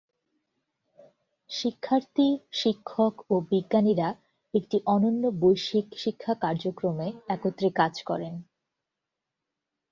শিক্ষার্থী, শিক্ষক ও বিজ্ঞানীরা একটি অনন্য বৈশ্বিক শিক্ষা কার্যক্রমে একত্রে কাজ করেন।